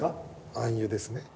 暗喩ですね。